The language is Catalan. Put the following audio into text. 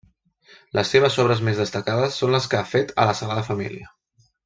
Les seves obres més destacades són les que ha fet a la Sagrada Família.